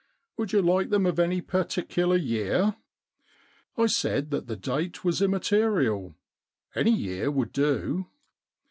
" Would you like them of any par ticular year ?* I said that the date was immaterial. Any year would do.